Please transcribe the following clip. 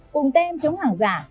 cùng tên chống hàng giả